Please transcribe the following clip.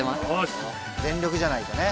全力じゃないとね。